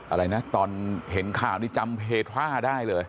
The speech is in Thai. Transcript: อะไรนะตอนเห็นข่าวนี้จำเพทราได้เลย